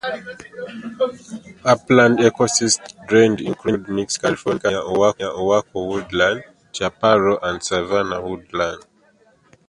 Upland ecosystems drained include mixed California oak woodland, chaparral and savannah woodland.